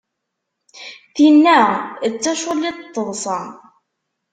Tinna! d taculliḍt n teḍsa.